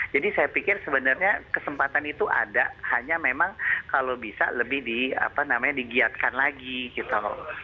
jadi saya pikir sebenarnya kesempatan itu ada hanya memang kalau bisa lebih di apa namanya digiatkan lagi gitu